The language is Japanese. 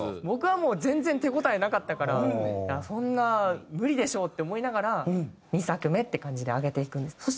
僕はもう全然手応えなかったからそんな無理でしょって思いながら２作目って感じで上げていくんです。